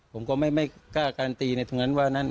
ผมก็ไม่กล้าการตีในทุกอย่างนั้น